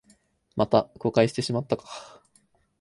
また誤解してしまったか